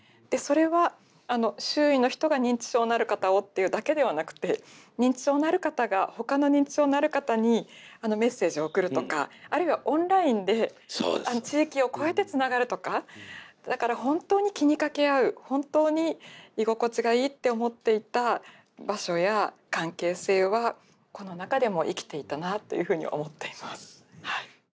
それは周囲の人が認知症のある方をというだけではなくて認知症のある方がほかの認知症のある方にメッセージを送るとかあるいはオンラインで地域を越えてつながるとかだから本当に気にかけ合う本当に居心地がいいって思っていた場所や関係性はコロナ禍でも生きていたなというふうに思っています。